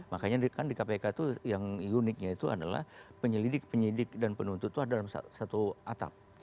makanya kan di kpk itu yang uniknya itu adalah penyelidik penyidik dan penuntut itu ada dalam satu atap